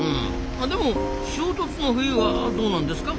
あでも「衝突の冬」はどうなんですか？